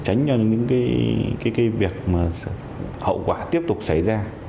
tránh cho những vấn đề xảy ra